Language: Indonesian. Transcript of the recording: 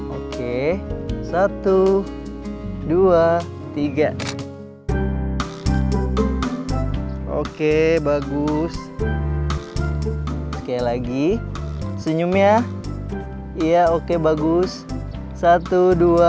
oke satu dua tiga oke bagus sekali lagi senyum ya oke bagus satu dua